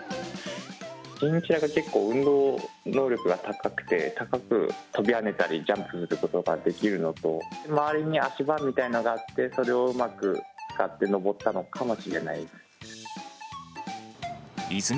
チンチラが結構、運動能力が高くて、高く跳びはねたりジャンプができるのと、周りに足場みたいのがあってそれをうまく使って上ったのかもしれないです。